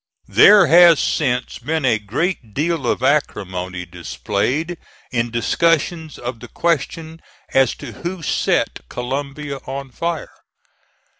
There has since been a great deal of acrimony displayed in discussions of the question as to who set Columbia on fire.